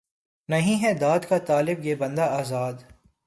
نہیں ہے داد کا طالب یہ بندۂ آزاد